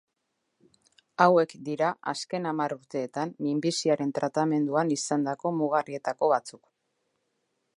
Hauek dira azken hamar urteetan minbiziaren tratamenduan izandako mugarrietako batzuk.